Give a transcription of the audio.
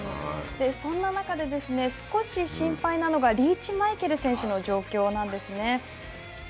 そんな中で少し心配なのがリーチマイケル選手の状況なんですね。